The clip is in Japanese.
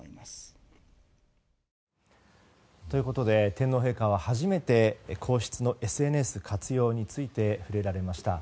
天皇陛下は初めて皇室のＳＮＳ活用について触れられました。